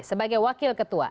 sebagai wakil ketua